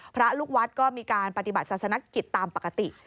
พระลูกวัดก็มีการปฏิบัติศาสนกิจตามปกติ